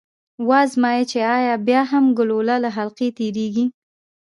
و ازمايئ چې ایا بیا هم ګلوله له حلقې تیریږي؟